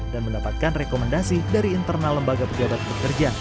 dan mendapatkan rekomendasi dari internal lembaga pejabat pekerja